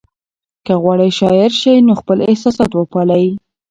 که غواړئ شاعر شئ نو خپل احساسات وپالئ.